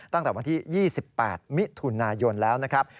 ตั้งแต่วันที่๒๘มิถุนายนแล้วนะครับ